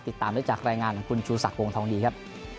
ติดตามได้จากรายงานของคุณชูศักดิ์วงทองดีครับ